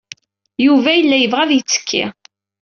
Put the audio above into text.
Yuba yella yebɣa ad yettekki.